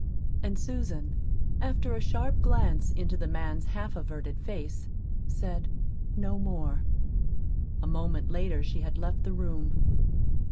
And Susan, after a sharp glance into the man's half averted face, said no more. A moment later she had left the room.